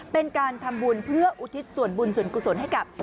เป็นการทำบุญเพื่ออุทิศส่วนบุญส่วนกุศลให้กับ